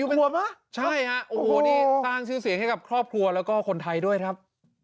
สิบกว่ามั้ยใช่ครับสร้างชื่อเสียงให้กับครอบครัวและคนไทยด้วยครับ